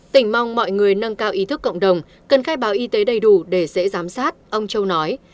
tỉnh mong mọi người nâng cao ý thức cộng đồng cần khai báo y tế đầy đủ để dễ giám sát ông châu nói